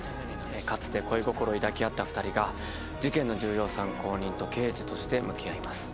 かつて恋心を抱き合った２人が事件の重要参考人と刑事として向き合います